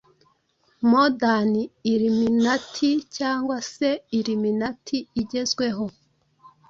Modern Illuminati cyangwa se Illuminati igezweho